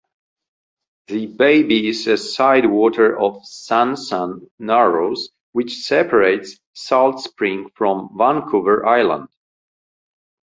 The bay is a sidewater of Sansum Narrows, which separates Saltspring from Vancouver Island.